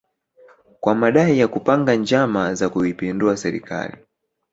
kwa madai ya kupanga njama za kuipindua serikali